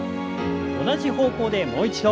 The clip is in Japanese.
同じ方向でもう一度。